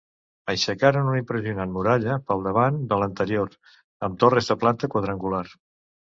Aixecaren una impressionant muralla pel davant de l'anterior, amb torres de planta quadrangular.